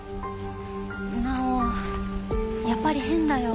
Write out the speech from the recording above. やっぱり変だよ。